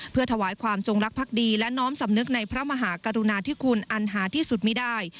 เพื่อถวายความจงรักภักดีและน้อมสำนึกในพระมหากรุณาธิคุณอันหาที่สุดไม่ได้